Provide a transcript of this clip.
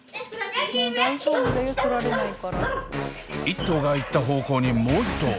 一頭が行った方向にもう一頭。